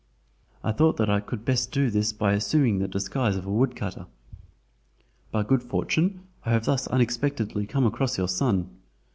I thought that I could best do this by assuming the disguise of a woodcutter. By good fortune, I have thus unexpectedly come across your son.